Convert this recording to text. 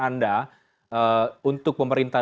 anda untuk pemerintah